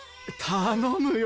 頼むよ。